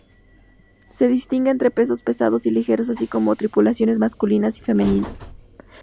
Se distingue entre pesos pesados y ligeros, así como tripulaciones masculinas y femeninas.